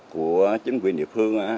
của chính quyền địa phương